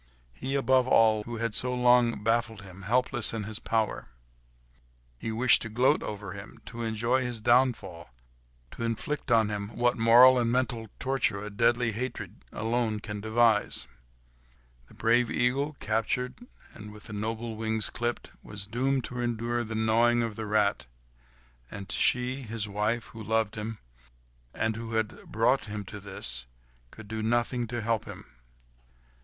He, above all, longed to have the cunning enemy, who had so long baffled him, helpless in his power; he wished to gloat over him, to enjoy his downfall, to inflict upon him what moral and mental torture a deadly hatred alone can devise. The brave eagle, captured, and with noble wings clipped, was doomed to endure the gnawing of the rat. And she, his wife, who loved him, and who had brought him to this, could do nothing to help him.